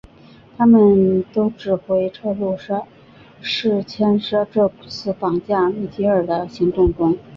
他们都指控车路士牵涉这次绑架米基尔的行动中。